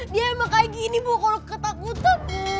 dia emang kayak gini bu kalau ketakutan